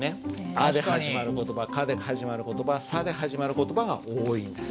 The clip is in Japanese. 「あ」で始まる言葉「か」で始まる言葉「さ」で始まる言葉が多いんです。